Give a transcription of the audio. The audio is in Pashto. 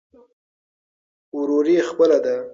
وروري خپله ده.